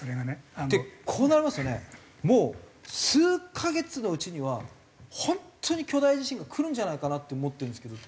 でこうなりますとねもう数カ月のうちには本当に巨大地震がくるんじゃないかなって思ってるんですけど。